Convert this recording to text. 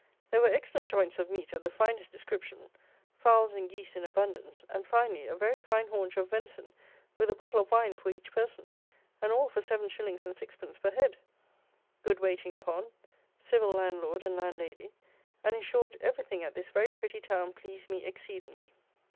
There were excellent joints of meat of the finest description, fowls and geese in abundance; and, finally, a very fine haunch of venison, with a bottle of wine for each person; and all for seven shillings and sixpence per head. Good waiting upon; civil landlord and landlady; and, in short, everything at this very pretty town pleased me exceedingly.